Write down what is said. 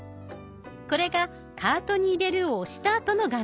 これが「カートに入れる」を押したあとの画面。